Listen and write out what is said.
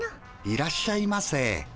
いらっしゃいませ。